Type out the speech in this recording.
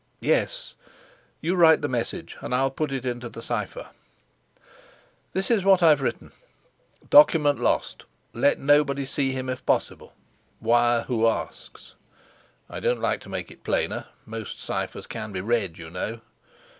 "Yes. You write the message, and I'll put it into the cipher." "This is what I've written: 'Document lost. Let nobody see him if possible. Wire who asks.' I don't like to make it plainer: most ciphers can be read, you know."